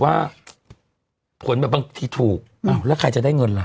อ้าวแล้วใครจะได้เงินล่ะ